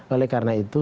oleh karena itu